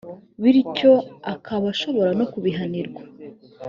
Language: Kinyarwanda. bityo akaba ashobora no kubihanirwa